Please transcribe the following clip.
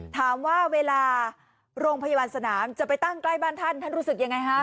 ถามว่าเวลาโรงพยาบาลสนามจะไปตั้งใกล้บ้านท่านท่านรู้สึกยังไงฮะ